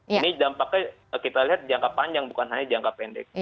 ini dampaknya kita lihat jangka panjang bukan hanya jangka pendek